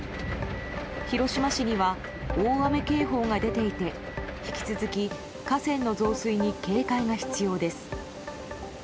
広島市には大雨警報が出ていて引き続き河川の増水に警戒が必要です。